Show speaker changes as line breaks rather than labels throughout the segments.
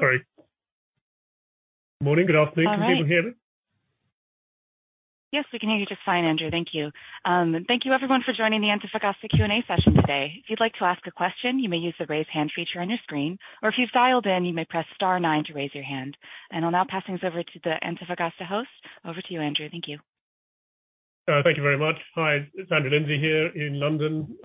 All right. Morning. Good afternoon.
All right.
Can you hear me?
Yes, we can hear you just fine, Andrew. Thank you. Thank you everyone for joining the Antofagasta Q&A session today. If you'd like to ask a question, you may use the Raise Hand feature on your screen, or if you've dialed in, you may press star nine to raise your hand. I'll now pass things over to the Antofagasta host. Over to you, Andrew. Thank you.
Thank you very much. Hi, it's Andrew Lindsay here in London.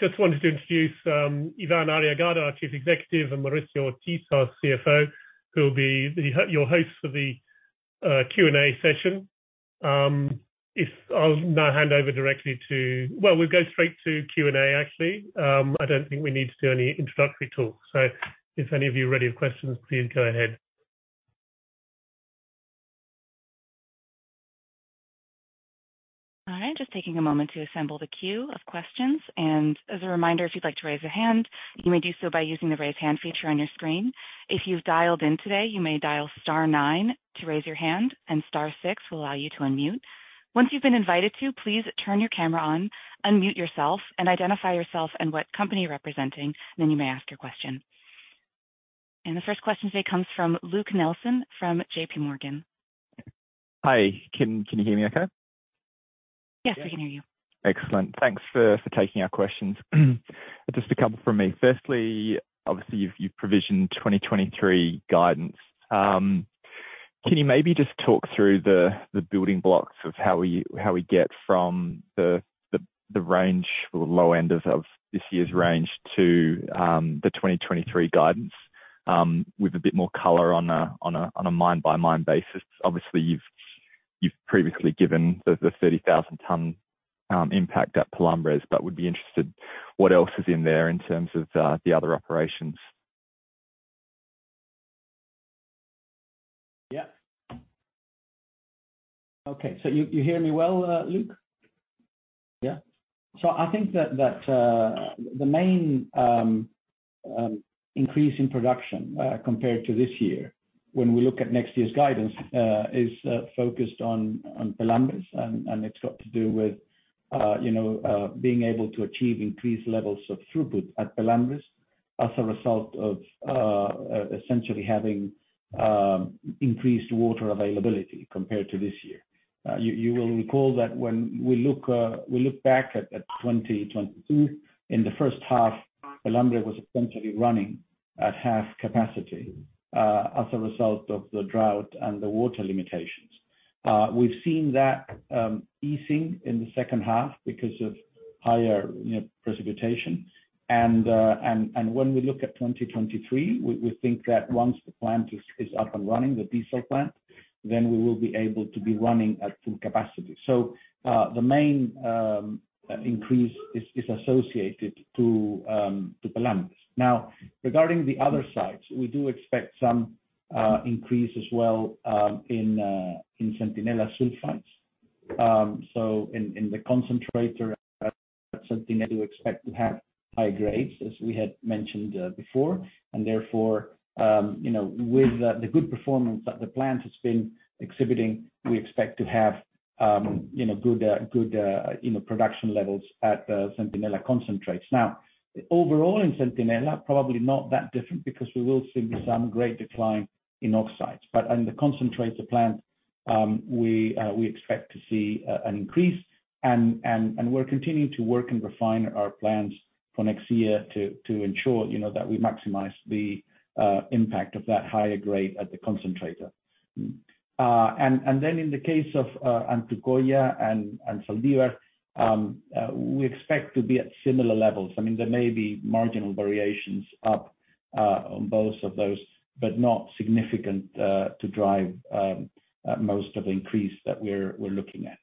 Just wanted to introduce Iván Arriagada, our Chief Executive, and Mauricio Ortiz, CFO, who will be your hosts for the Q&A session. I'll now hand over directly to. Well, we'll go straight to Q&A actually. I don't think we need to do any introductory talk. If any of you are ready with questions, please go ahead.
All right. Just taking a moment to assemble the queue of questions. As a reminder, if you'd like to raise your hand, you may do so by using the Raise Hand feature on your screen. If you've dialed in today, you may dial star nine to raise your hand, and star six will allow you to unmute. Once you've been invited to, please turn your camera on, unmute yourself and identify yourself and what company you're representing, then you may ask your question. The first question today comes from Luke Nelson from JP Morgan.
Hi. Can you hear me okay?
Yes, we can hear you.
Excellent. Thanks for taking our questions. Just a couple from me. First, obviously, you've provisioned 2023 guidance. Can you maybe just talk through the building blocks of how we get from the range or the low end of this year's range to the 2023 guidance, with a bit more color on a mine-by-mine basis? Obviously, you've previously given the 30,000 ton impact at Los Pelambres, but would be interested what else is in there in terms of the other operations?
Yeah. Okay. You hear me well, Luke? Yeah. I think that the main increase in production compared to this year when we look at next year's guidance is focused on Los Pelambres, and it's got to do with you know being able to achieve increased levels of throughput at Los Pelambres as a result of essentially having increased water availability compared to this year. You will recall that when we look back at 2022, in the first half, Los Pelambres was essentially running at half capacity as a result of the drought and the water limitations. We've seen that easing in the second half because of higher you know precipitation. When we look at 2023, we think that once the plant is up and running, the desal plant, then we will be able to be running at full capacity. The main increase is associated to Los Pelambres. Now, regarding the other sites, we do expect some increase as well, in Centinela sulfides. In the concentrator at Centinela, we expect to have high grades, as we had mentioned before. Therefore, you know, with the good performance that the plant has been exhibiting, we expect to have, you know, good production levels at Centinela concentrates. Now, overall in Centinela, probably not that different because we will see some grade decline in oxides. On the concentrator plant, we expect to see an increase and we're continuing to work and refine our plans for next year to ensure, you know, that we maximize the impact of that higher grade at the concentrator. In the case of Antucoya and Zaldívar, we expect to be at similar levels. I mean, there may be marginal variations up on both of those, but not significant to drive most of the increase that we're looking at.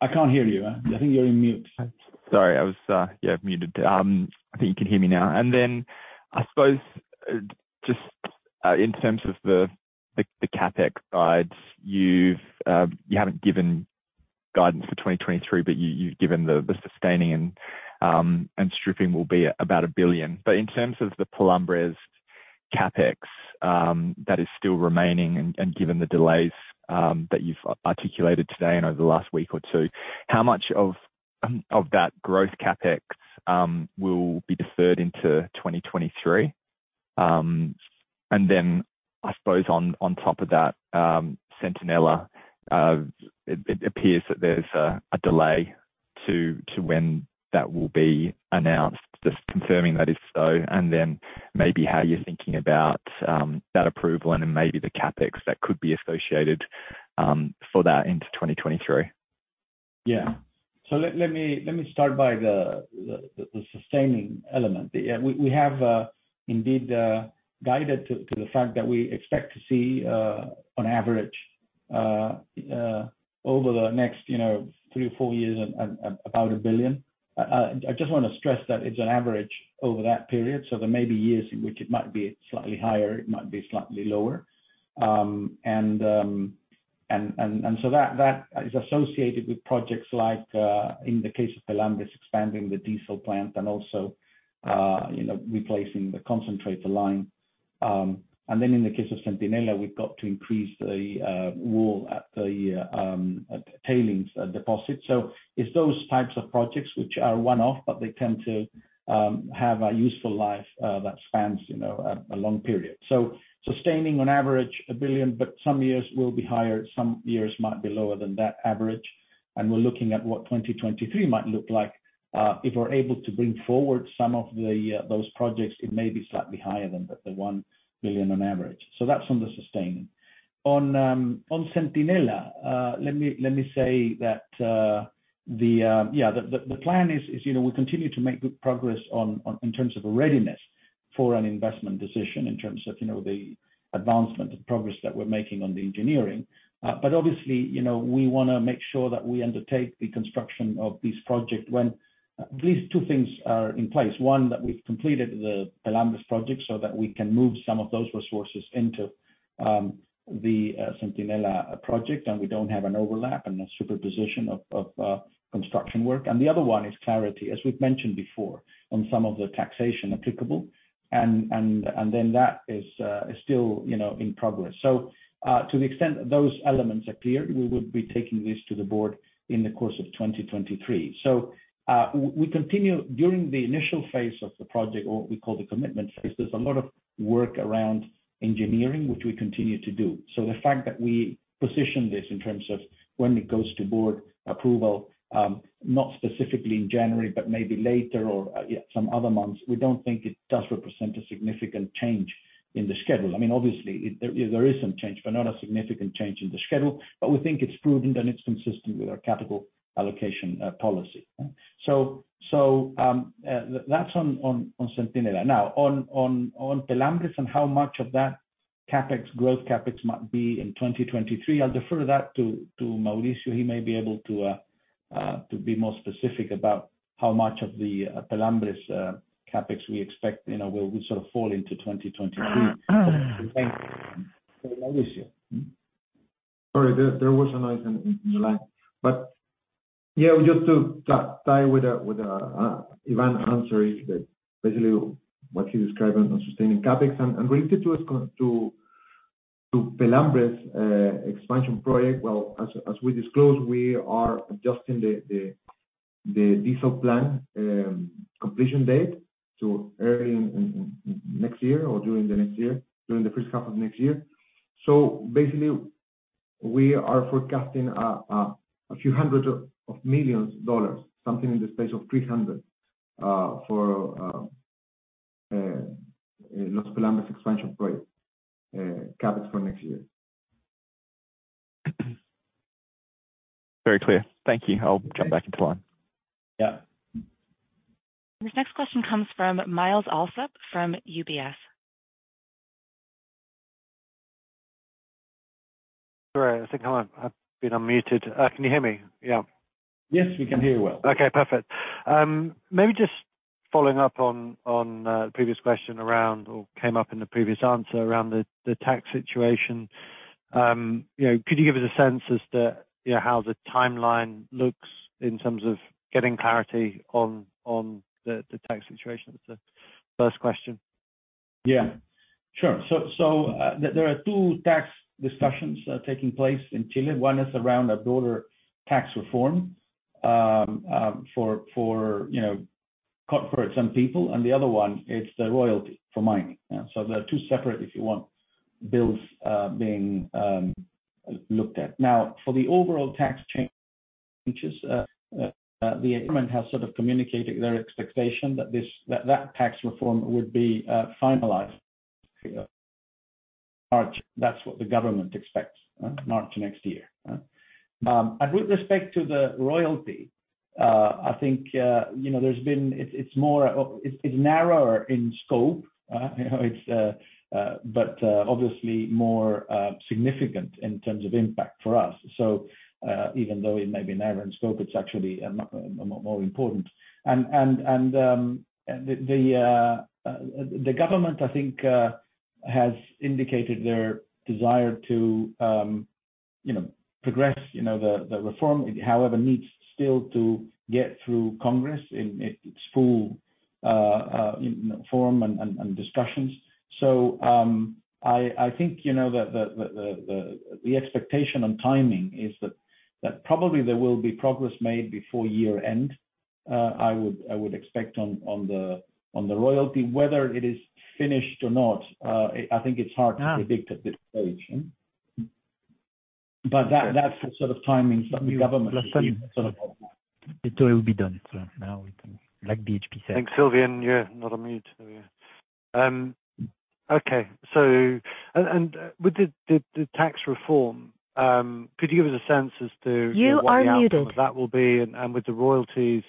I can't hear you. I think you're on mute.
Sorry, I was, yeah, muted. I think you can hear me now. Then, I suppose, just, in terms of the CapEx guides, you haven't given guidance for 2023, but you've given the sustaining and stripping will be about $1 billion. In terms of the Los Pelambres CapEx, that is still remaining and given the delays that you've articulated today and over the last week or two, how much of that growth CapEx will be deferred into 2023? Then I suppose on top of that, Centinela, it appears that there's a delay to when that will be announced. Just confirming that is so, and then maybe how you're thinking about that approval and then maybe the CapEx that could be associated for that into 2023.
Yeah. Let me start by the sustaining element. Yeah, we have indeed guided to the fact that we expect to see on average over the next, you know, three or four years about $1 billion. I just wanna stress that it's an average over that period, so there may be years in which it might be slightly higher, it might be slightly lower. That is associated with projects like in the case of Los Pelambres expanding the desal plant and also you know replacing the concentrator line. In the case of Centinela, we've got to increase the wall at the tailings deposit. It's those types of projects which are one-off, but they tend to have a useful life that spans, you know, a long period. Sustaining on average $1 billion, but some years will be higher, some years might be lower than that average. We're looking at what 2023 might look like. If we're able to bring forward some of those projects, it may be slightly higher than the $1 billion on average. That's on the sustain. On Centinela, let me say that the plan is, you know, we continue to make good progress in terms of readiness for an investment decision in terms of, you know, the advancement and progress that we're making on the engineering. Obviously, you know, we want to make sure that we undertake the construction of this project when at least two things are in place. One, that we've completed the Los Pelambres project so that we can move some of those resources into the Centinela project, and we don't have an overlap and a superposition of construction work. The other one is clarity. As we've mentioned before, on some of the taxation applicable, and then that is still, you know, in progress. To the extent those elements are clear, we would be taking this to the board in the course of 2023. We continue during the initial phase of the project or what we call the commitment phase. There's a lot of work around engineering, which we continue to do. The fact that we position this in terms of when it goes to board approval, not specifically in January, but maybe later or some other months, we don't think it does represent a significant change in the schedule. I mean, obviously there is some change, but not a significant change in the schedule. We think it's prudent and it's consistent with our capital allocation policy. That's on Centinela. Now, on Los Pelambres and how much of that CapEx, growth CapEx might be in 2023, I'll defer that to Mauricio. He may be able to be more specific about how much of the Los Pelambres CapEx we expect, you know, will sort of fall into 2023. Mauricio.
Sorry, there was a noise in the line. Yeah, just to tie with the Iván answering that basically what he described on sustaining CapEx. Related to Los Pelambres expansion project, well, as we disclose, we are adjusting the desal plant completion date to early next year or during the next year, during the first half of next year. Basically, we are forecasting a few hundred million dollars, something in the space of $300 million for Los Pelambres expansion project CapEx for next year.
Very clear. Thank you. I'll jump back into line.
Yeah.
Your next question comes from Myles Allsop from UBS.
Sorry, I think I've been unmuted. Can you hear me? Yeah.
Yes, we can hear you well.
Okay, perfect. Maybe just following up on the previous question around or came up in the previous answer around the tax situation. You know, could you give us a sense as to, you know, how the timeline looks in terms of getting clarity on the tax situation? It's the first question.
Yeah, sure. There are two tax discussions taking place in Chile. One is around a broader tax reform, you know, for some people, and the other one is the mining royalty. There are two separate, if you want, bills being looked at. Now, for the overall tax changes, the government has sort of communicated their expectation that that tax reform would be finalized March. That's what the government expects, March next year. With respect to the royalty, I think, you know, it's narrower in scope. You know, it's but obviously more significant in terms of impact for us. Even though it may be narrower in scope, it's actually more important. The government, I think, has indicated their desire to, you know, progress, you know, the reform. However, it needs still to get through Congress in its full form and discussions. I think, you know, the expectation on timing is that probably there will be progress made before year end. I would expect on the royalty, whether it is finished or not, I think it's hard to predict at this stage. That's the sort of timing from the government. It will be done now, like BHP said.
Thanks, Sylvian. You're not on mute. Okay. With the tax reform, could you give us a sense as to?
You are muted.
What the outcome of that will be? With the royalties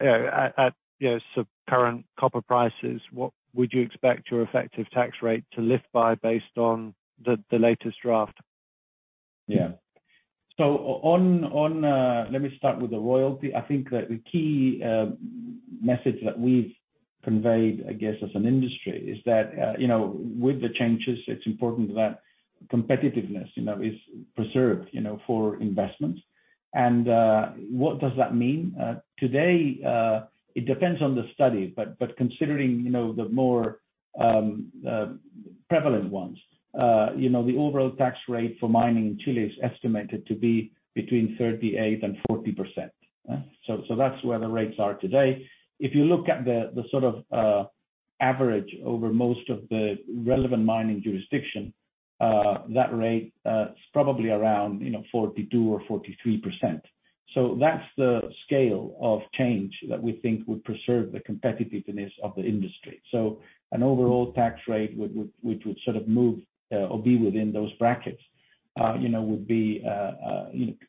at, you know, current copper prices, what would you expect your effective tax rate to lift by based on the latest draft?
Let me start with the royalty. I think that the key message that we've conveyed, I guess, as an industry is that, you know, with the changes, it's important that competitiveness, you know, is preserved, you know, for investment. What does that mean? Today, it depends on the study, but considering, you know, the more prevalent ones, you know, the overall tax rate for mining in Chile is estimated to be between 38%-40%. That's where the rates are today. If you look at the sort of average over most of the relevant mining jurisdiction, that rate is probably around, you know, 42% or 43%. That's the scale of change that we think would preserve the competitiveness of the industry. An overall tax rate would, which would sort of move or be within those brackets, you know, would be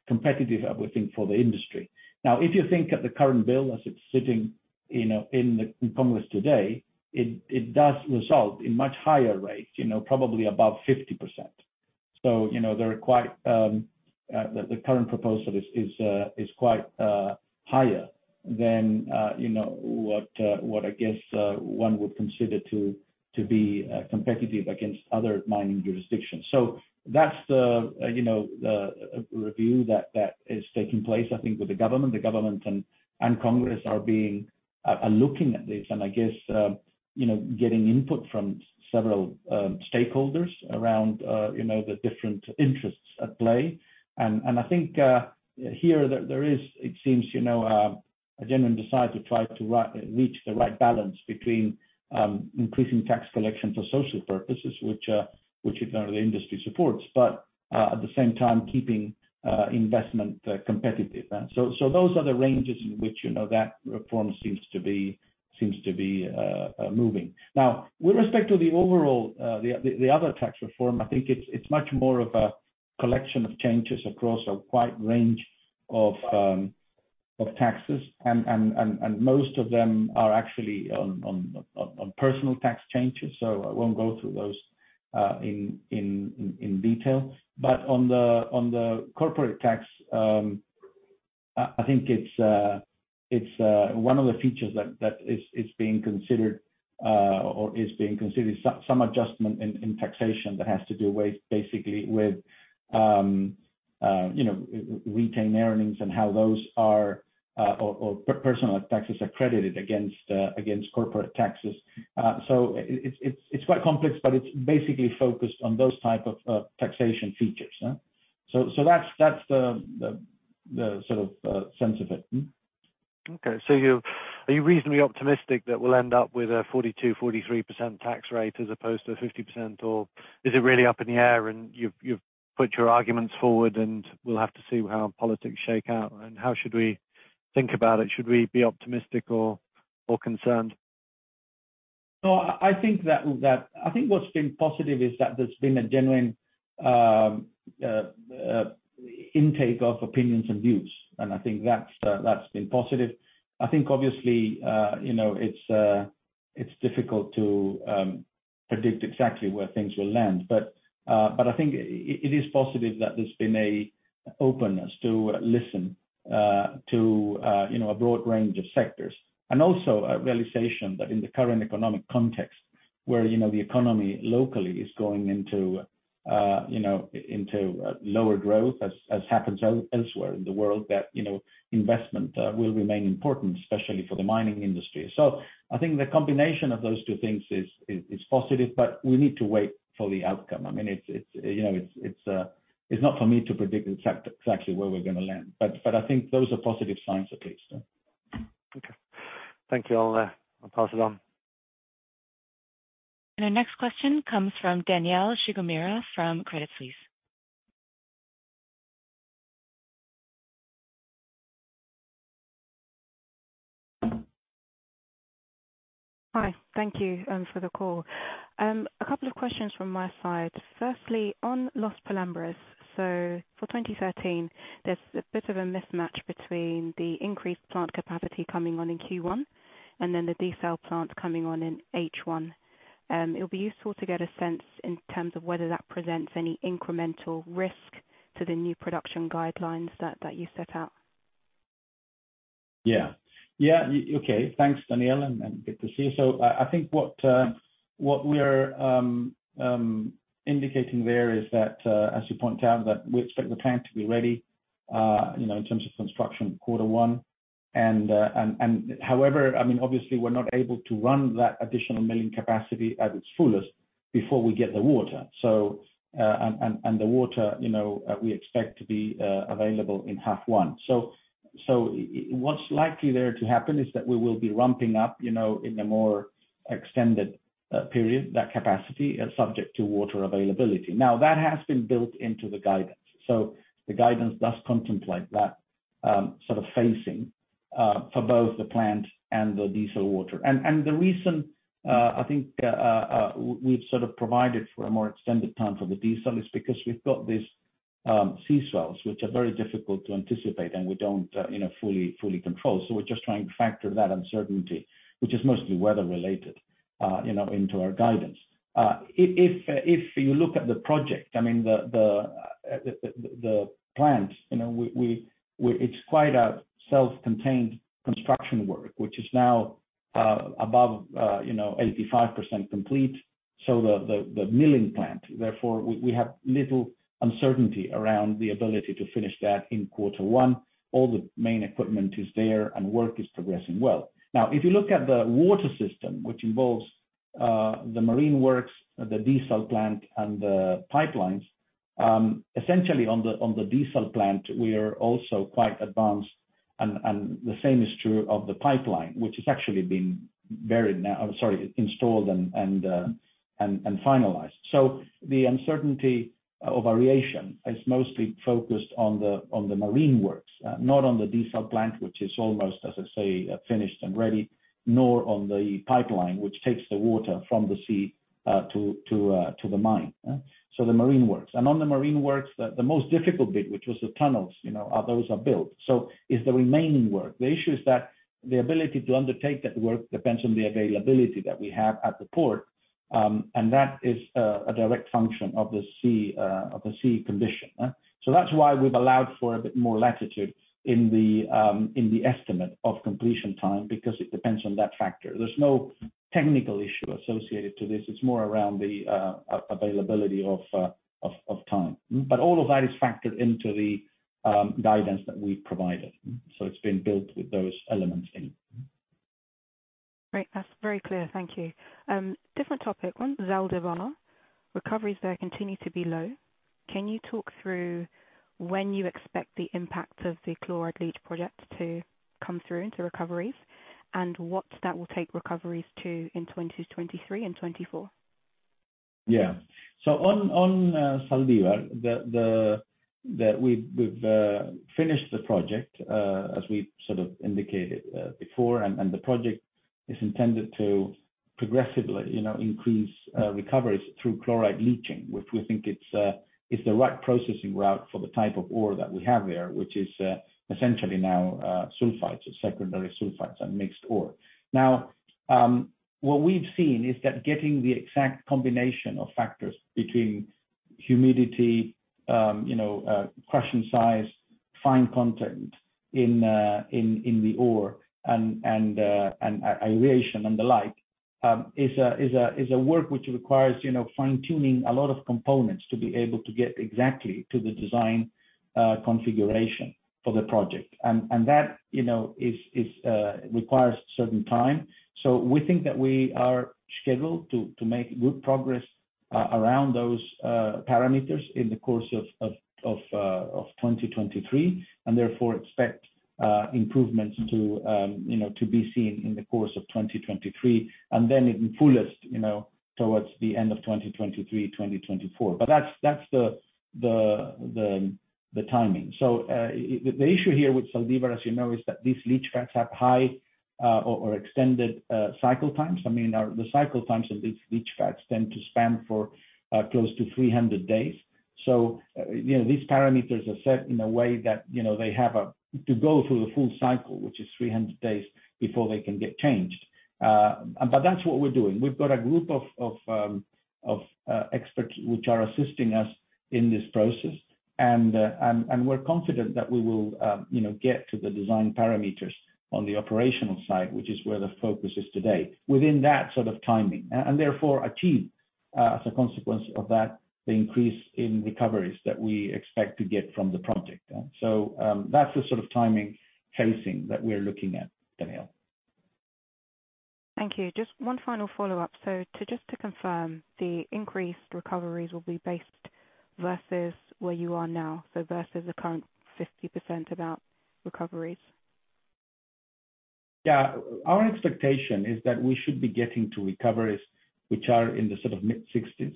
competitive, I would think, for the industry. Now, if you think of the current bill as it's sitting, you know, in the Congress today, it does result in much higher rates, you know, probably above 50%. You know, they require the current proposal is quite higher than, you know, what I guess one would consider to be competitive against other mining jurisdictions. That's the, you know, the review that is taking place, I think with the government. The government and Congress are looking at this, and I guess, you know, getting input from several stakeholders around, you know, the different interests at play. I think there is, it seems, you know, a genuine desire to try to reach the right balance between increasing tax collection for social purposes, which, you know, the industry supports, but at the same time keeping investment competitive. Those are the ranges in which, you know, that reform seems to be moving. Now, with respect to the other tax reform, I think it's much more of a collection of changes across a wide range of taxes, and most of them are actually on personal tax changes, so I won't go through those in detail. On the corporate tax, I think it's one of the features that is being considered, some adjustment in taxation that has to do basically with you know, retained earnings and how those or personal taxes are credited against corporate taxes. It's quite complex, but it's basically focused on those type of taxation features. That's the sort of sense of it. Mm-hmm.
Okay. So are you reasonably optimistic that we'll end up with a 42%-43% tax rate as opposed to 50%? Or is it really up in the air, and you've put your arguments forward, and we'll have to see how politics shake out. How should we think about it? Should we be optimistic or concerned?
No, I think what's been positive is that there's been a genuine intake of opinions and views. I think that's been positive. I think obviously it's difficult to predict exactly where things will land. I think it is positive that there's been an openness to listen to a broad range of sectors. Also a realization that in the current economic context where the economy locally is going into lower growth as happens elsewhere in the world, that investment will remain important, especially for the mining industry. I think the combination of those two things is positive, but we need to wait for the outcome. I mean, you know, it's not for me to predict exactly where we're gonna land. I think those are positive signs at least.
Okay. Thank you. I'll pass it on.
Our next question comes from Danielle Shigemura from Credit Suisse.
Hi. Thank you for the call. A couple of questions from my side. Firstly, on Los Pelambres. For 2023, there's a bit of a mismatch between the increased plant capacity coming on in Q1 and then the desalination plant coming on in H1. It'll be useful to get a sense in terms of whether that presents any incremental risk to the new production guidelines that you set out.
Yeah. Yeah. Okay. Thanks, Danielle, and good to see you. I think what we're indicating there is that, as you point out, we expect the plant to be ready, you know, in terms of construction quarter one. However, I mean, obviously, we're not able to run that additional milling capacity at its fullest before we get the water. The water, you know, we expect to be available in H1. What's likely there to happen is that we will be ramping up, you know, in a more extended period, that capacity, subject to water availability. Now, that has been built into the guidance. The guidance does contemplate that sort of phasing for both the plant and the desal water. The reason I think we've sort of provided for a more extended time for the desal is because we've got these sea swells, which are very difficult to anticipate, and we don't, you know, fully control. We're just trying to factor that uncertainty, which is mostly weather-related, you know, into our guidance. If you look at the project, I mean, the plant, you know, it's quite a self-contained construction work, which is now above, you know, 85% complete. The milling plant, therefore, we have little uncertainty around the ability to finish that in quarter one. All the main equipment is there and work is progressing well. Now, if you look at the water system, which involves the marine works, the desal plant and the pipelines, essentially on the desal plant, we are also quite advanced and the same is true of the pipeline, which has actually been installed and finalized. The uncertainty of variation is mostly focused on the marine works, not on the desal plant, which is almost, as I say, finished and ready, nor on the pipeline, which takes the water from the sea to the mine. The marine works. On the marine works, the most difficult bit, which was the tunnels, you know, those are built. It's the remaining work. The issue is that the ability to undertake that work depends on the availability that we have at the port, and that is a direct function of the sea condition. That's why we've allowed for a bit more latitude in the estimate of completion time, because it depends on that factor. There's no technical issue associated to this. It's more around the availability of time. All of that is factored into the guidance that we've provided. It's been built with those elements in.
Great. That's very clear. Thank you. Different topic. On Zaldívar, recoveries there continue to be low. Can you talk through when you expect the impact of the chloride leach project to come through into recoveries? What that will take recoveries to in 2023 and 2024?
On Zaldívar, we've finished the project as we sort of indicated before, and the project is intended to progressively increase recoveries through chloride leaching, which we think it's the right processing route for the type of ore that we have there, which is essentially now sulfides or secondary sulfides and mixed ore. What we've seen is that getting the exact combination of factors between humidity, you know, crushing size, fine content in the ore and aeration and the like is a work which requires fine-tuning a lot of components to be able to get exactly to the design configuration for the project. That requires certain time. We think that we are scheduled to make good progress around those parameters in the course of 2023, and therefore expect improvements to be seen in the course of 2023 and then in fullest, you know, towards the end of 2023, 2024. But that's the timing. The issue here with Zaldívar, as you know, is that these leach pads have high or extended cycle times. I mean, the cycle times of these leach pads tend to span for close to 300 days. You know, these parameters are set in a way that, you know, they have to go through the full cycle, which is 300 days, before they can get changed. But that's what we're doing. We've got a group of experts which are assisting us in this process. We're confident that we will, you know, get to the design parameters on the operational side, which is where the focus is today, within that sort of timing, and therefore achieve, as a consequence of that, the increase in recoveries that we expect to get from the project. That's the sort of timing casing that we're looking at, Danielle.
Thank you. Just one final follow-up. Just to confirm, the increased recoveries will be based versus where you are now, so versus the current 50% about recoveries?
Our expectation is that we should be getting to recoveries which are in the sort of mid-sixties,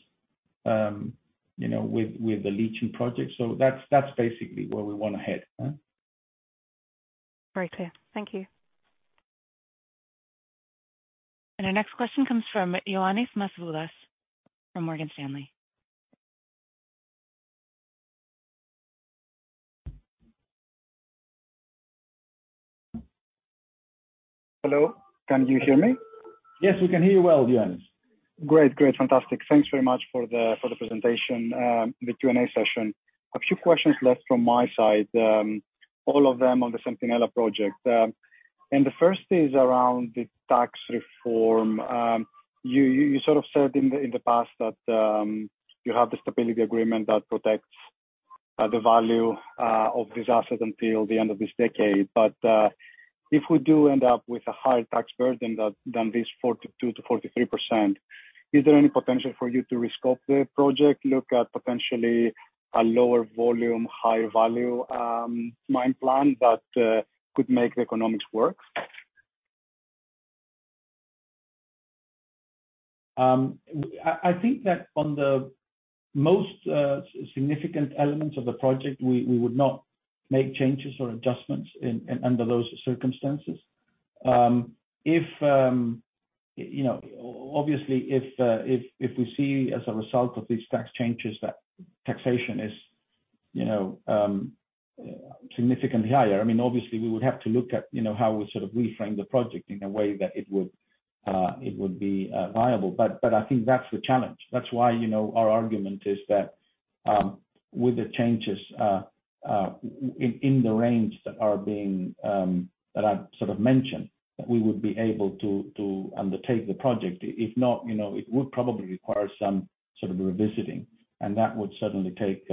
you know, with the leaching project. That's basically where we wanna head.
Very clear. Thank you.
Our next question comes from Ioannis Masvoulas from Morgan Stanley.
Hello. Can you hear me?
Yes, we can hear you well, Ioannis.
Great. Fantastic. Thanks very much for the presentation, the Q&A session. A few questions left from my side, all of them on the Centinela project. The first is around the tax reform. You sort of said in the past that you have the stability agreement that protects the value of these assets until the end of this decade. If we do end up with a higher tax burden than this 42%-43%, is there any potential for you to rescope the project, look at potentially a lower volume, higher value mine plan that could make the economics work?
I think that on the most significant elements of the project, we would not make changes or adjustments under those circumstances. If you know obviously if we see as a result of these tax changes that taxation is you know significantly higher, I mean obviously we would have to look at you know how we sort of reframe the project in a way that it would be viable. I think that's the challenge. That's why you know our argument is that with the changes within the range that I've sort of mentioned that we would be able to undertake the project. If not, you know, it would probably require some sort of revisiting, and that would certainly take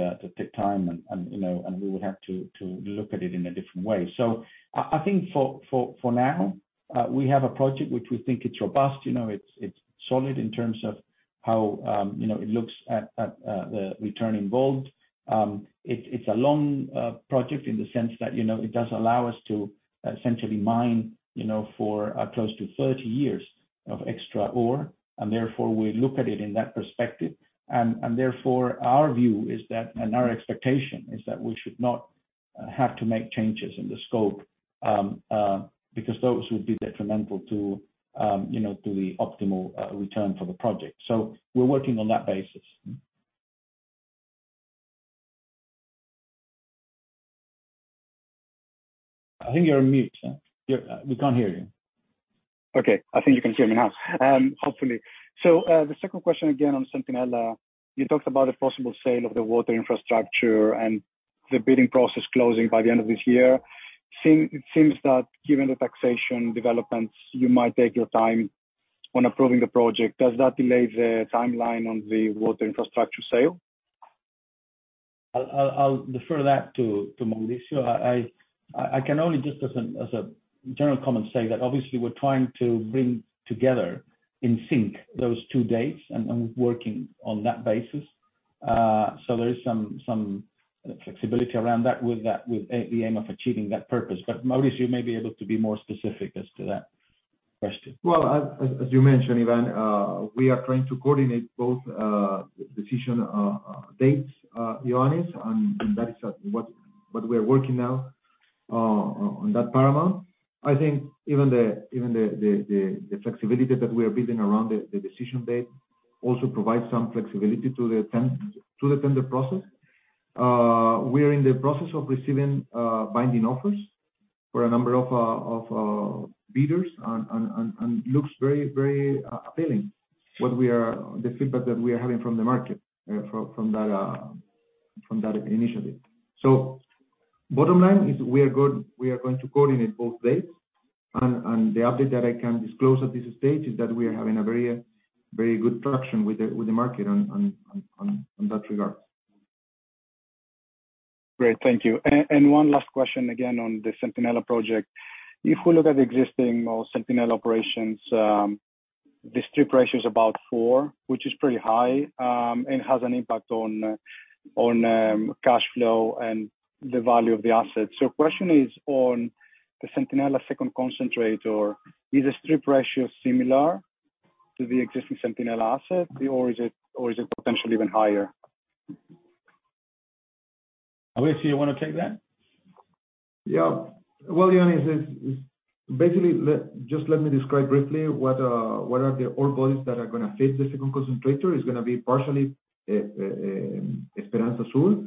time and, you know, and we would have to look at it in a different way. I think for now, we have a project which we think it's robust. You know, it's solid in terms of how you know it looks at the return involved. It's a long project in the sense that, you know, it does allow us to essentially mine, you know, for close to 30 years of extra ore, and therefore, we look at it in that perspective. Therefore, our view is that, and our expectation is that we should not have to make changes in the scope, because those would be detrimental to, you know, to the optimal return for the project. We're working on that basis. I think you're on mute, sir. We can't hear you.
Okay. I think you can hear me now, hopefully. The second question again on Centinela. You talked about the possible sale of the water infrastructure and the bidding process closing by the end of this year. It seems that given the taxation developments, you might take your time on approving the project. Does that delay the timeline on the water infrastructure sale?
I'll defer that to Mauricio. I can only just as a general comment say that obviously we're trying to bring together in sync those two dates and working on that basis. So there is some flexibility around that with the aim of achieving that purpose. Mauricio may be able to be more specific as to that question.
Well, as you mentioned, Iván, we are trying to coordinate both decision dates, Ioannis. That is what we are working now on that paramount. I think even the flexibility that we are building around the decision date also provides some flexibility to the tender process. We are in the process of receiving binding offers from a number of bidders and looks very appealing what we are the feedback that we are having from the market from that initiative. Bottom line is we are going to coordinate both dates. The update that I can disclose at this stage is that we are having a very good traction with the market on that regard.
Great. Thank you. One last question again on the Centinela project. If we look at existing Centinela operations, the strip ratio is about four, which is pretty high, and has an impact on cash flow and the value of the assets. Question is on the Centinela second concentrator, is the strip ratio similar to the existing Centinela asset or is it potentially even higher?
Mauricio, you wanna take that?
Well, Ioannis, it's basically just let me describe briefly what are the ore bodies that are gonna face the second concentrator. It's gonna be partially Esperanza Sur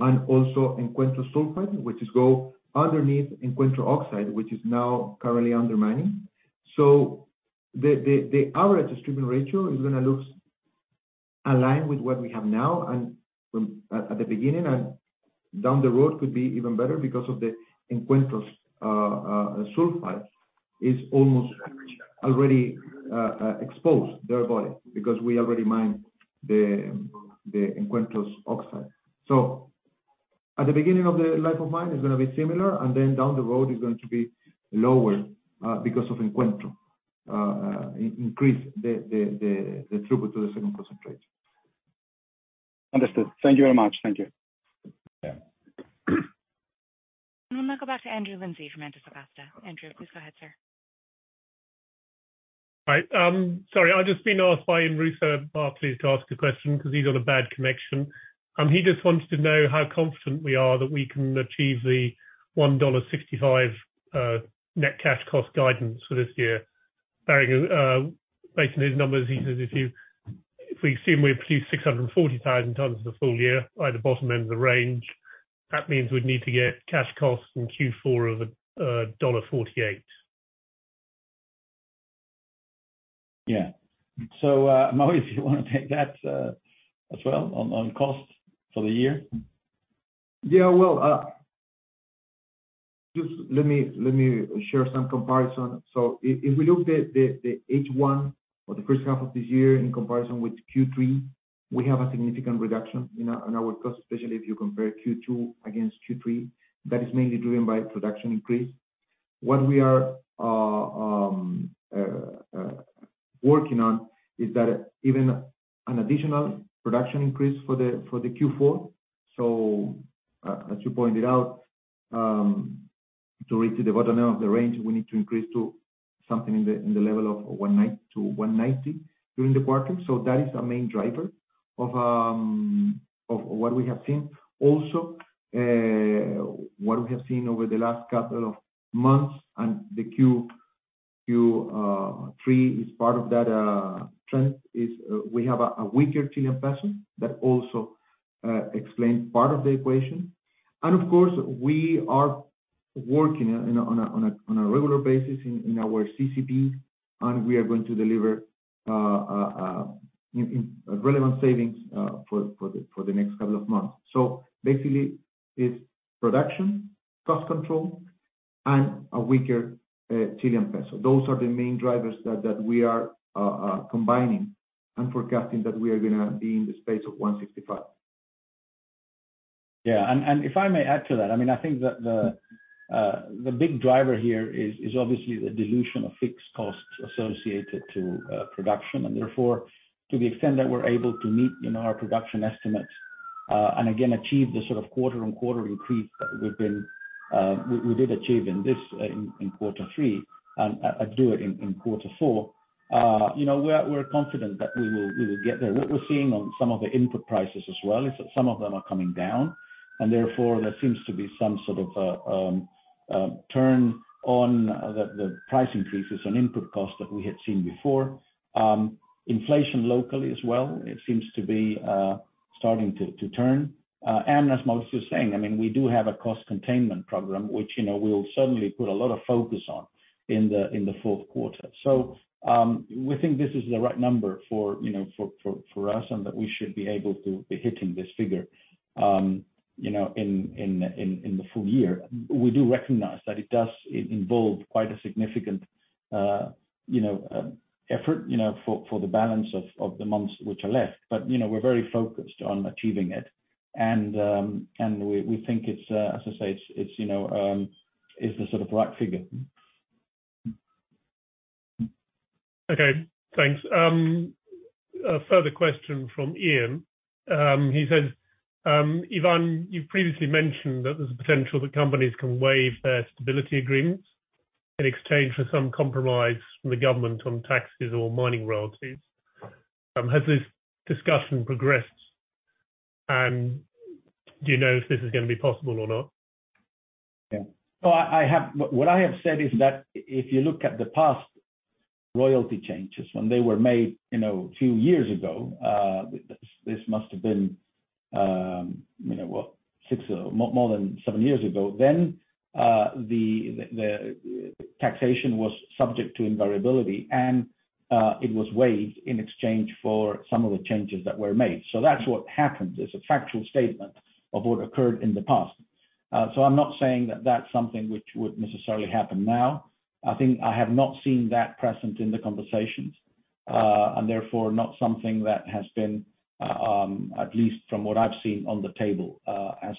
and also Encuentro Sulfide, which goes underneath Encuentro Oxide, which is now currently under mining. The average stripping ratio is gonna look aligned with what we have now and from at the beginning and down the road could be even better because of the Encuentro's sulfide is almost already exposed the ore body because we already mined the Encuentro's oxide. At the beginning of the life of mine, it's gonna be similar, and then down the road, it's going to be lower because of Encuentro increase the throughput to the second concentrator.
Understood. Thank you very much. Thank you.
Yeah.
We'll now go back to Andrew Lindsay from Antofagasta. Andrew, please go ahead, sir.
Right. Sorry, I've just been asked by Amos from Barclays to ask a question 'cause he's on a bad connection. He just wanted to know how confident we are that we can achieve the $1.65 net cash cost guidance for this year. Very good. Based on his numbers, he says if we assume we produce 640,000 tons for the full year at the bottom end of the range, that means we'd need to get cash costs in Q4 of $48.
Mauricio, you wanna take that as well, on costs for the year?
Yeah. Well, just let me share some comparison. If we look at the H1 or the first half of this year in comparison with Q3, we have a significant reduction in our costs, especially if you compare Q2 against Q3. That is mainly driven by production increase. What we are working on is that even an additional production increase for the Q4. As you pointed out, to reach the bottom end of the range, we need to increase to something in the level of $190-$190 during the quarter. That is a main driver of what we have seen. What we have seen over the last couple of months and the Q3 is part of that trend. We have a weaker Chilean peso that also explains part of the equation. Of course, we are working on a regular basis in our CCP, and we are going to deliver in relevant savings for the next couple of months. Basically, it's production, cost control, and a weaker Chilean peso. Those are the main drivers that we are combining and forecasting that we are gonna be in the space of $165.
Yeah. If I may add to that, I mean, I think that the big driver here is obviously the dilution of fixed costs associated to production. Therefore, to the extent that we're able to meet, you know, our production estimates, and again, achieve the sort of quarter-over-quarter increase that we did achieve in this quarter three, and do it in quarter four. You know, we're confident that we will get there. What we're seeing on some of the input prices as well is that some of them are coming down, and therefore, there seems to be some sort of a turn on the price increases on input costs that we had seen before. Inflation locally as well, it seems to be starting to turn. As Mauricio is saying, I mean, we do have a cost containment program, which, you know, we'll certainly put a lot of focus on in the fourth quarter. We think this is the right number for, you know, for us, and that we should be able to be hitting this figure, you know, in the full year. We do recognize that it does involve quite a significant, you know, effort, you know, for the balance of the months which are left. You know, we're very focused on achieving it. We think it's, as I say, it's, you know, is the sort of right figure.
Okay, thanks. A further question from Ian. He says, "Iván, you've previously mentioned that there's a potential that companies can waive their stability agreements in exchange for some compromise from the government on taxes or mining royalties. Has this discussion progressed? And do you know if this is gonna be possible or not?
Yeah. What I have said is that if you look at the past royalty changes, when they were made, you know, a few years ago, this must have been, you know, what, six or more than seven years ago then, the taxation was subject to invariability, and it was waived in exchange for some of the changes that were made. That's what happened. It's a factual statement of what occurred in the past. I'm not saying that that's something which would necessarily happen now. I think I have not seen that present in the conversations, and therefore not something that has been, at least from what I've seen on the table, as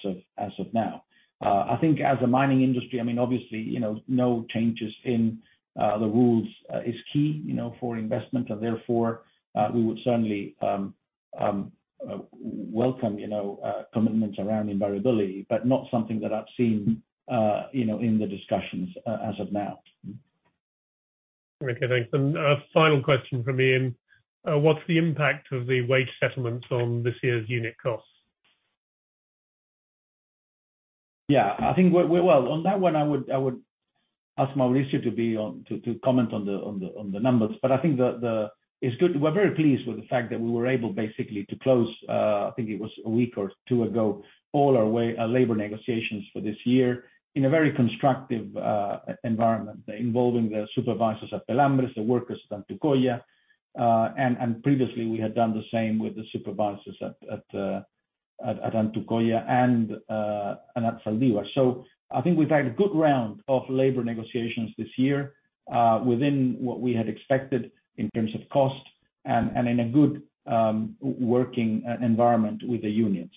of now. I think as a mining industry, I mean, obviously, you know, no changes in the rules is key, you know, for investment. We would certainly welcome, you know, commitments around invariability, but not something that I've seen, you know, in the discussions as of now.
Okay, thanks. A final question from Ian. What's the impact of the wage settlements on this year's unit costs?
I think. Well, on that one, I would ask Mauricio to comment on the numbers. It's good. We're very pleased with the fact that we were able basically to close, I think it was a week or two ago, all our labor negotiations for this year in a very constructive environment involving the supervisors at Los Pelambres, the workers at Antucoya. Previously we had done the same with the supervisors at Antucoya and at Falda Cuerda. I think we've had a good round of labor negotiations this year, within what we had expected in terms of cost and in a good working environment with the unions.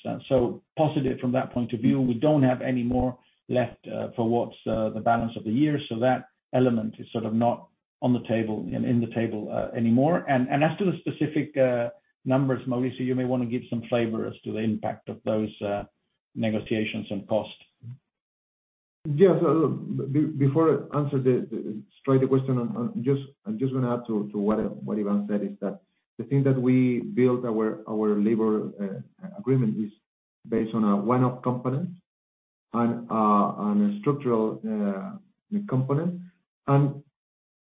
Positive from that point of view. We don't have any more left for what's the balance of the year, so that element is sort of not on the table and in the table anymore. As to the specific numbers, Mauricio, you may wanna give some flavor as to the impact of those negotiations and cost.
Yes. Before I answer straight to the question, I'm just gonna add to what Iván said, is that the thing that we built our labor agreement is based on a one-off component and on a structural component.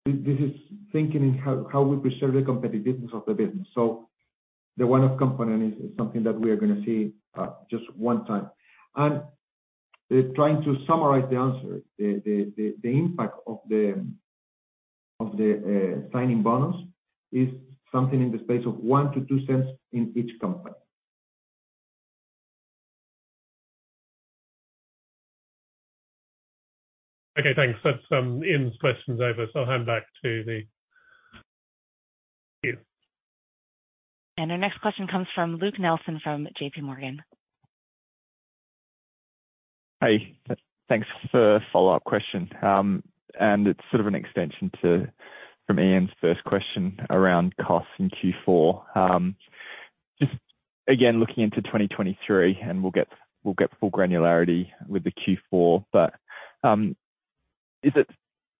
This is thinking in how we preserve the competitiveness of the business. The one-off component is something that we are gonna see just one time. Trying to summarize the answer, the impact of the signing bonus is something in the space of $0.01-$0.02 in each company.
Okay, thanks. That's Ian's questions over, so I'll hand back to the queue.
Our next question comes from Luke Nelson from JP Morgan.
Hey, thanks. First follow-up question, and it's sort of an extension from Ian's first question around costs in Q4. Just again, looking into 2023, and we'll get full granularity with the Q4.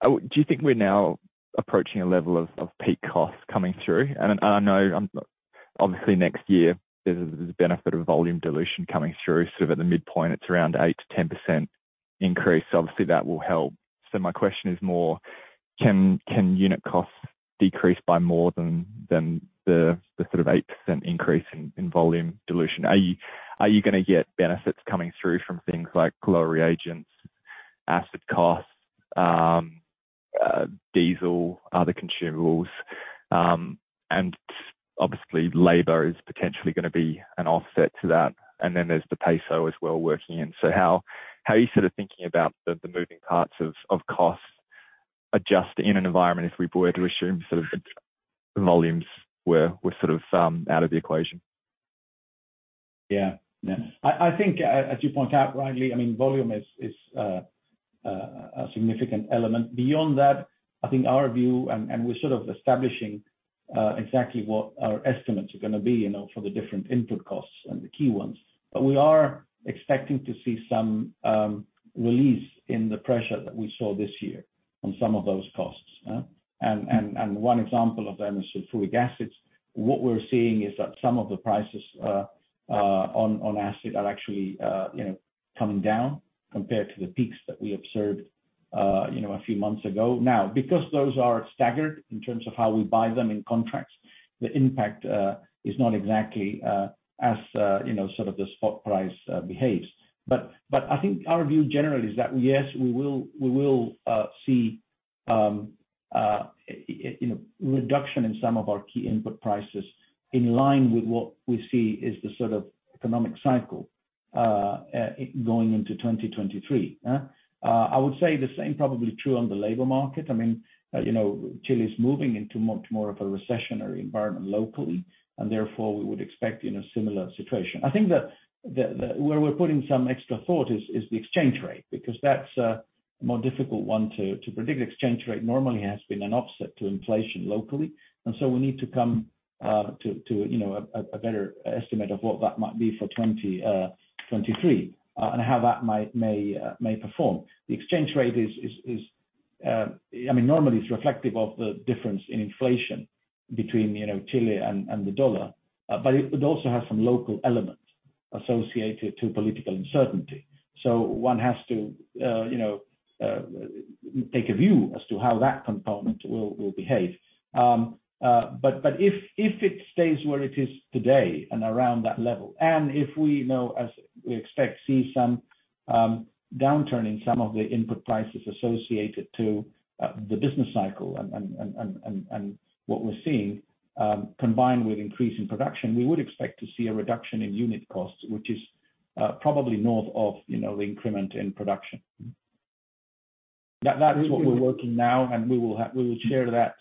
Do you think we're now approaching a level of peak costs coming through? I know, obviously next year there's a benefit of volume dilution coming through, sort of at the midpoint, it's around 8%-10% increase. Obviously, that will help. My question is can unit costs decrease by more than the sort of 8% increase in volume dilution? Are you gonna get benefits coming through from things like flotation reagents, acid costs, desal, other consumables? And obviously labor is potentially gonna be an offset to that. Then there's the peso as well working in. How are you sort of thinking about the moving parts of costs adjusting in an environment if we were to assume sort of the volumes were sort of out of the equation?
Yeah. I think as you point out rightly, I mean volume is a significant element. Beyond that, I think our view and we're sort of establishing exactly what our estimates are gonna be, you know, for the different input costs and the key ones. We are expecting to see some release in the pressure that we saw this year on some of those costs. One example of them is sulfuric acid. What we're seeing is that some of the prices on acid are actually, you know, coming down compared to the peaks that we observed, you know, a few months ago. Now, because those are staggered in terms of how we buy them in contracts, the impact is not exactly as you know sort of the spot price behaves. I think our view generally is that yes we will see you know reduction in some of our key input prices in line with what we see is the sort of economic cycle going into 2023. I would say the same probably true on the labor market. I mean you know Chile's moving into much more of a recessionary environment locally and therefore we would expect in a similar situation. I think where we're putting some extra thought is the exchange rate because that's a more difficult one to predict. Exchange rate normally has been an offset to inflation locally, and so we need to come to, you know, a better estimate of what that might be for 2023 and how that may perform. The exchange rate is, I mean, normally it's reflective of the difference in inflation between, you know, Chile and the US dollar. It would also have some local elements associated to political uncertainty. One has to, you know, take a view as to how that component will behave. If it stays where it is today and around that level, and if we know as we expect, see some downturn in some of the input prices associated to the business cycle and what we're seeing, combined with increase in production, we would expect to see a reduction in unit costs, which is probably north of, you know, the increment in production. That is what we're working now, and we will share that,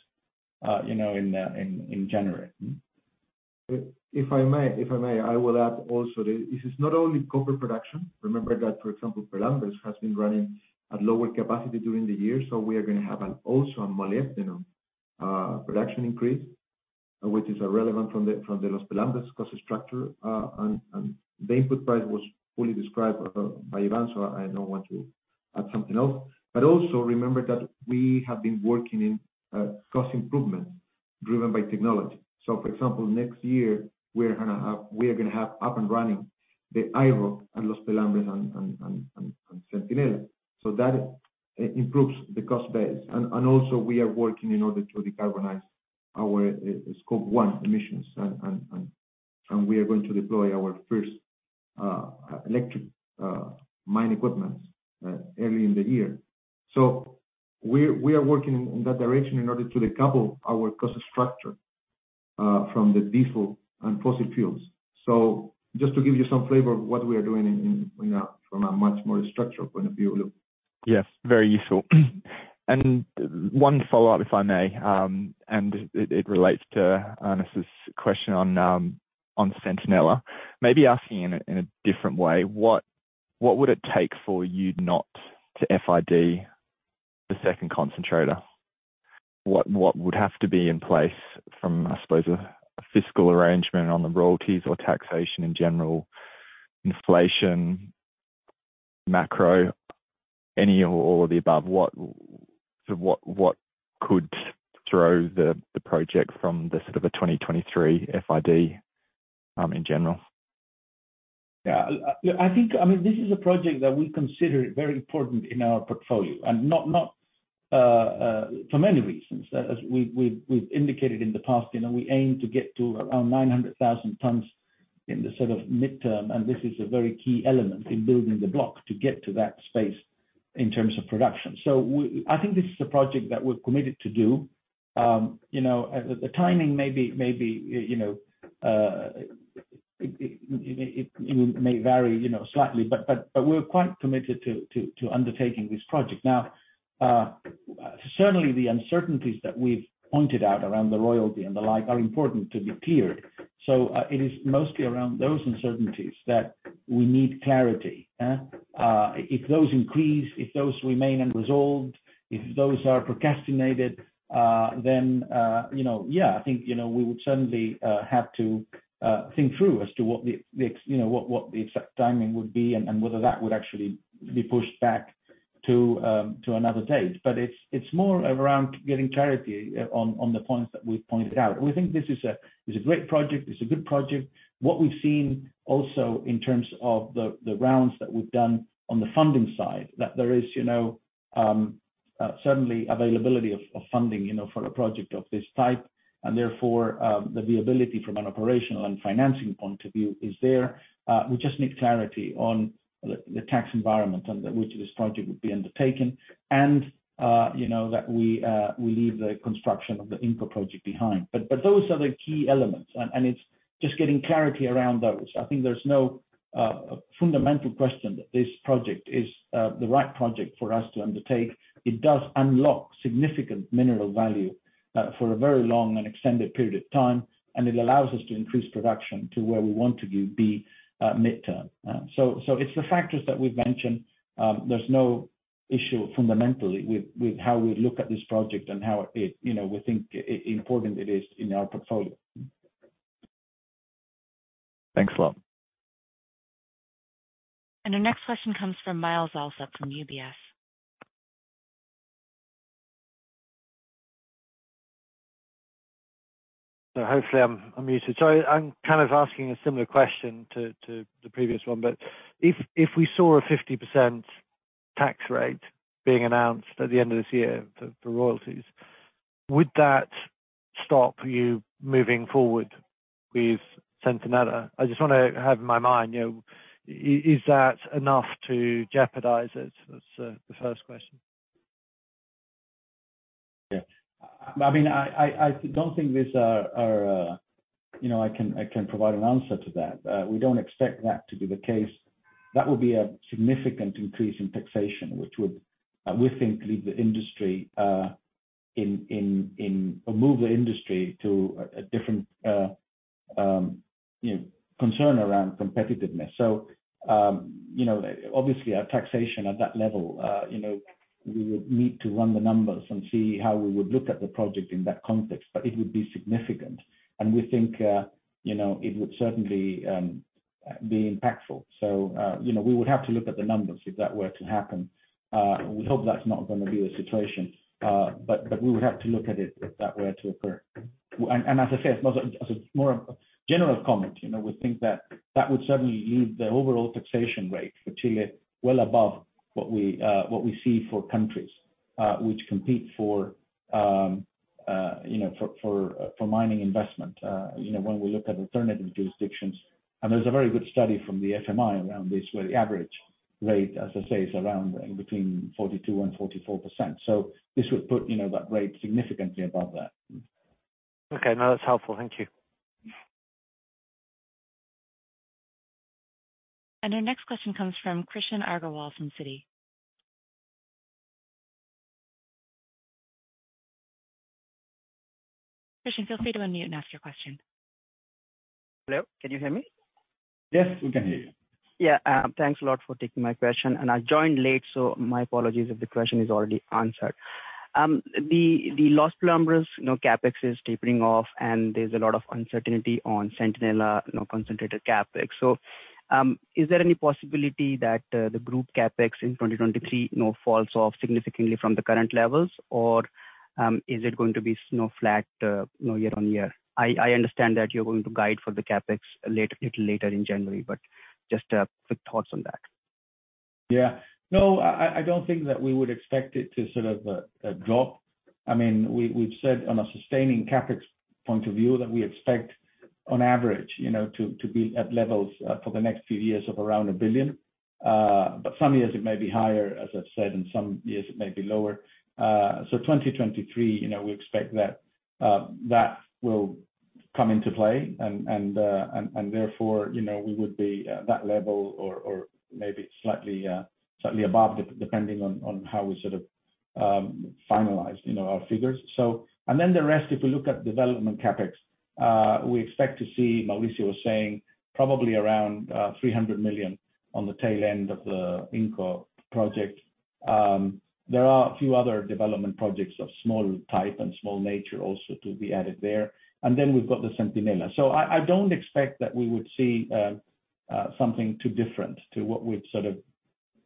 you know, in January.
If I may, I will add also this is not only copper production. Remember that, for example, Los Pelambres has been running at lower capacity during the year, so we are gonna have and also a molybdenum production increase, which is irrelevant from the Los Pelambres cost structure. And the input price was fully described by Ivan, so I don't want to add something else. Also remember that we have been working in cost improvements driven by technology. For example, next year we are gonna have up and running the IROC at Los Pelambres and Centinela. That improves the cost base. Also we are working in order to decarbonize our Scope 1 emissions. We are going to deploy our first electric mine equipment early in the year. We are working in that direction in order to decouple our cost structure from the desal and fossil fuels. Just to give you some flavor of what we are doing from a much more structural point of view.
Yes, very useful. One follow-up, if I may, and it relates to Ioannis Masvoulas's question on Centinela. Maybe asking in a different way, what would it take for you not to FID the second concentrator? What would have to be in place from, I suppose, a fiscal arrangement on the royalties or taxation in general, inflation, macro, any or all of the above? What could throw the project from the sort of a 2023 FID, in general?
Yeah. I think, I mean, this is a project that we consider very important in our portfolio for many reasons. As we've indicated in the past, you know, we aim to get to around 900,000 tons in the sort of midterm, and this is a very key element in building the block to get to that space in terms of production. I think this is a project that we're committed to do. You know, the timing may be, you know, it may vary, you know, slightly, but we're quite committed to undertaking this project. Now, certainly the uncertainties that we've pointed out around the royalty and the like are important to be cleared. It is mostly around those uncertainties that we need clarity? If those increase, if those remain unresolved, if those are procrastinated, then you know, yeah, I think you know, we would certainly have to think through as to what the you know what the exact timing would be and whether that would actually be pushed back to to another date. But it's more around getting clarity on the points that we've pointed out. We think this is a great project. It's a good project. What we've seen also in terms of the rounds that we've done on the funding side, that there is you know certainly availability of funding you know for a project of this type, and therefore the viability from an operational and financing point of view is there. We just need clarity on the tax environment under which this project would be undertaken and you know that we leave the construction of the Incra project behind. Those are the key elements and it's just getting clarity around those. I think there's no fundamental question that this project is the right project for us to undertake. It does unlock significant mineral value for a very long and extended period of time, and it allows us to increase production to where we want to be midterm. It's the factors that we've mentioned. There's no issue fundamentally with how we look at this project and how important it is in our portfolio.
Thanks a lot.
Our next question comes from Myles Allsop from UBS.
Hopefully I'm muted. I'm kind of asking a similar question to the previous one. If we saw a 50% tax rate being announced at the end of this year for royalties, would that stop you moving forward with Centinela? I just wanna have in my mind, you know, is that enough to jeopardize it? That's the first question.
Yeah. I mean, I don't think these are, you know, I can provide an answer to that. We don't expect that to be the case. That would be a significant increase in taxation, which would, we think, leave the industry or move the industry to a different, you know, concern around competitiveness. You know, obviously a taxation at that level, you know, we would need to run the numbers and see how we would look at the project in that context. It would be significant, and we think, you know, it would certainly be impactful. You know, we would have to look at the numbers if that were to happen. We hope that's not gonna be the situation, but we would have to look at it if that were to occur. As I said, as a more general comment, you know, we think that that would certainly leave the overall taxation rate for Chile well above what we see for countries which compete for, you know, for mining investment. You know, when we look at alternative jurisdictions, and there's a very good study from the IMF around this, where the average rate, as I say, is around between 42% and 44%. This would put, you know, that rate significantly above that.
Okay. No, that's helpful. Thank you.
Our next question comes from Krishan Agarwal from Citi. Krishan, feel free to unmute and ask your question.
Hello, can you hear me?
Yes, we can hear you.
Yeah. Thanks a lot for taking my question. I joined late, so my apologies if the question is already answered. The Los Pelambres, you know, CapEx is tapering off, and there's a lot of uncertainty on Centinela, you know, concentrator CapEx. Is there any possibility that the group CapEx in 2023, you know, falls off significantly from the current levels, or is it going to be, you know, flat, you know, year-on-year? I understand that you're going to guide for the CapEx little later in January, but just quick thoughts on that.
Yeah. No, I don't think that we would expect it to sort of drop. I mean, we've said on a sustaining CapEx point of view that we expect on average, you know, to be at levels for the next few years of around $1 billion. But some years it may be higher, as I've said, and some years it may be lower. So 2023, you know, we expect that that will come into play and therefore, you know, we would be at that level or maybe slightly above, depending on how we sort of finalize, you know, our figures. The rest, if we look at development CapEx, we expect to see. Mauricio was saying probably around $300 million on the tail end of the Incra project. There are a few other development projects of small type and small nature also to be added there. We've got the Centinela. I don't expect that we would see something too different to what we've sort of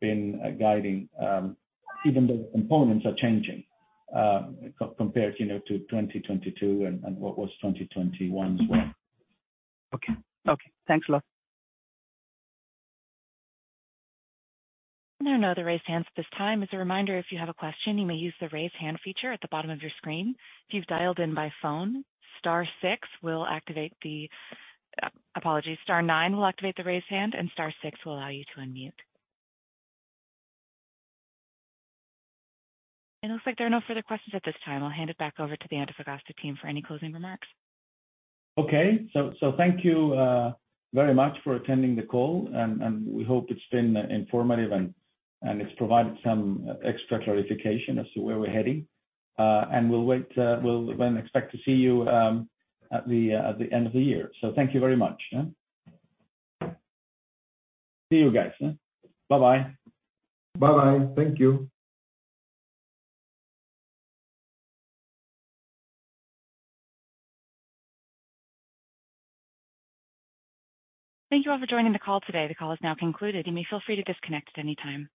been guiding, even though the components are changing, compared, you know, to 2022 and what was 2021 as well.
Okay. Thanks a lot.
There are no other raised hands at this time. As a reminder, if you have a question, you may use the Raise Hand feature at the bottom of your screen. If you've dialed in by phone, apologies, star nine will activate the Raise Hand, and star six will allow you to unmute. It looks like there are no further questions at this time. I'll hand it back over to the Antofagasta team for any closing remarks.
Okay. Thank you very much for attending the call, and we hope it's been informative and it's provided some extra clarification as to where we're heading. We'll expect to see you at the end of the year. Thank you very much, yeah. See you guys. Bye-bye.
Bye-bye. Thank you.
Thank you all for joining the call today. The call is now concluded. You may feel free to disconnect at any time.